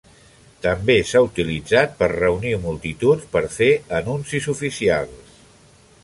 També s'ha utilitzat per reunir multituds per fer anuncis oficials.